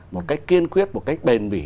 một cách kiên quyết một cách bền bỉ